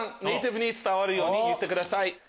ネーティブに伝わるように言ってください。